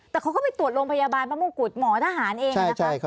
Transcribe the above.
แต่เขาก็ไปตรวจโรงพยาบาลพระมงกุฎหมอทหารเองนะคะ